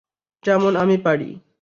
যেমন আমি পারি।